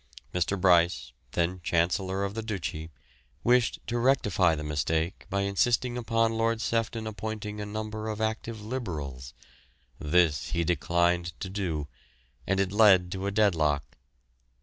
Mr. Bryce, then Chancellor of the Duchy, wished to rectify the mistake by insisting upon Lord Sefton appointing a number of active Liberals. This he declined to do, and it led to a deadlock.